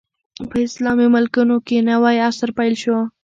په اسلامي ملکونو کې نوی عصر پیل شو.